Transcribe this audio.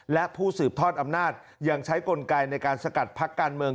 และผู้สืบทอดอำนาจยังใช้กลไกในการสกัดพักการเมือง